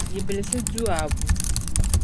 Yibilisi du Abu.